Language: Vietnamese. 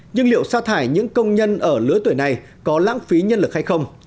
nhưng liệu xa thải những công nhân ở lứa tuổi này có lãng phí nhân lực hay không